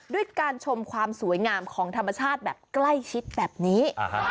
ด้วยการชมความสวยงามของธรรมชาติแบบใกล้ชิดแบบนี้